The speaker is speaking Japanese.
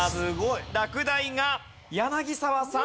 落第が柳澤さん